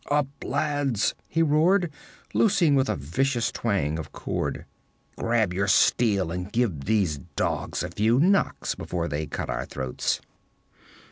'Up, lads!' he roared, loosing with a vicious twang of cord. 'Grab your steel and give these dogs a few knocks before they cut our throats!